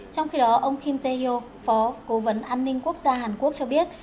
trong khi đó ông kim tae yo phó cố vấn an ninh quốc gia hàn quốc cho biết